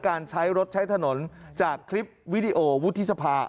การใช้รถใช้ถนนจากคลิปวิดีโอวุฒิสภา